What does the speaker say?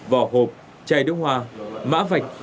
vỏ hộp chai nước hoa mã vạch